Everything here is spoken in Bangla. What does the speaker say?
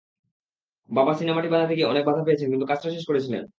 বাবা সিনেমাটি বানাতে গিয়ে অনেক বাধা পেয়েছেন কিন্তু কাজটা শেষ করেছিলেন।